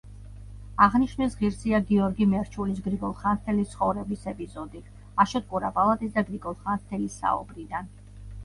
აღნიშვნის ღირსია, გიორგი მერჩულის „გრიგოლ ხანძთელის ცხოვრების“ ეპიზოდი, აშოტ კურაპალატის და გრიგოლ ხანძთელის საუბრიდან.